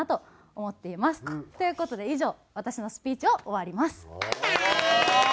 という事で以上私のスピーチを終わります。